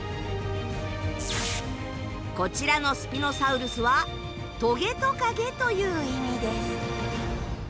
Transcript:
こちらのスピノサウルスはトゲトカゲという意味です。